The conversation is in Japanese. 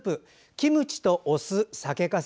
キムチとお酢、酒かす。